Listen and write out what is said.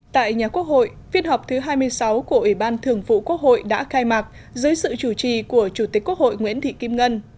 tại nhà quốc hội phiên họp thứ hai mươi sáu của ủy ban thường vụ quốc hội đã khai mạc dưới sự chủ trì của chủ tịch quốc hội nguyễn thị kim ngân